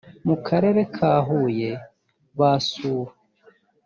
mu karere ka huye basuwe